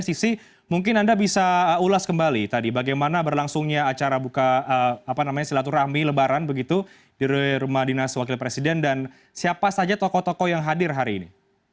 sisi mungkin anda bisa ulas kembali tadi bagaimana berlangsungnya acara buka silaturahmi lebaran begitu di rumah dinas wakil presiden dan siapa saja tokoh tokoh yang hadir hari ini